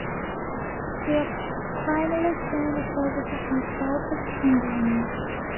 They are primarily seen on services in the south of England.